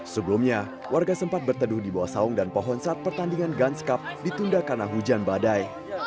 sebelumnya warga sempat berteduh di bawah saung dan pohon saat pertandingan gunskap ditunda karena hujan badai